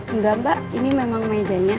enggak mbak ini memang mejanya